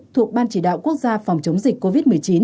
thuộc ban chỉ đạo quốc gia phòng chống dịch covid một mươi chín